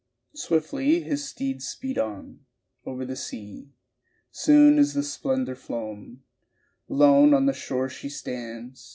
Swiftly his steeds speed on Over the sea, Soon is the splendor flown, Lone on the shore she stands.